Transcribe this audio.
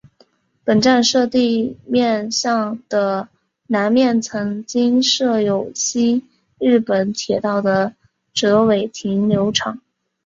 本站舍的面向的南面曾经设有西日本铁道的折尾停留场。